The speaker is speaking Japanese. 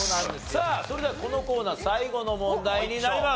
さあそれではこのコーナー最後の問題になります。